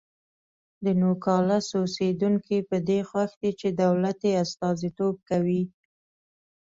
د نوګالس اوسېدونکي په دې خوښ دي چې دولت یې استازیتوب کوي.